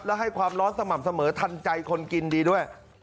และให้ความร้อนสม่ำเสมอทันใจคนกินดีด้วย